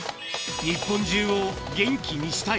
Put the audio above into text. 日本中を元気にしたい。